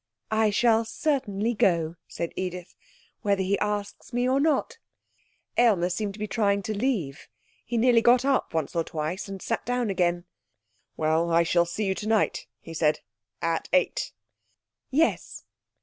'I shall certainly go,' said Edith, 'whether he asks me or not.' Aylmer seemed to be trying to leave. He nearly got up once or twice and sat down again. 'Well, I shall see you tonight,' he said. 'At eight.' 'Yes.'